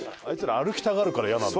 あいつら歩きたがるからイヤ。